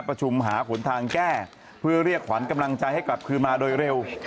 ประชุมหาผลทางแก้เพื่อเรียกขวัญกำลังใจให้กลับคืนมาโดยเร็ว